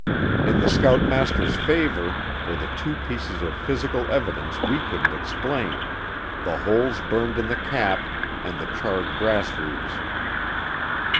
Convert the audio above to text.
In the scoutmaster's favor were the two pieces of physical evidence we couldn't explain, the holes burned in the cap and the charred grass roots.